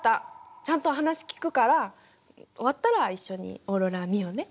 ちゃんと話聞くから終わったら一緒にオーロラ見ようね。